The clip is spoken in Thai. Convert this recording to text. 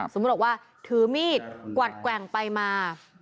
สมมุติบอกว่าถือมีดกวัดแกว่งไปมา